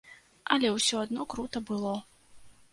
Але ўсё адно крута было.